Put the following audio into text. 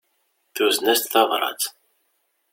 Tuzen-as-d tabrat.